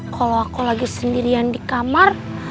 kalau aku lagi sendirian di kamar